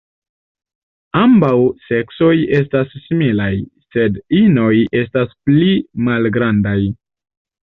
Ambaŭ seksoj estas similaj, sed inoj estas pli malgrandaj.